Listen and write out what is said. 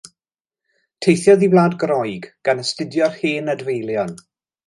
Teithiodd i Wlad Groeg gan astudio'r hen adfeilion.